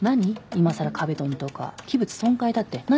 今更壁ドンとか器物損壊だって何？